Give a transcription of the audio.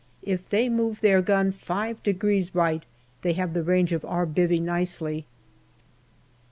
If they move their gun five degrees right, they have the range of our " bivvy " nicely.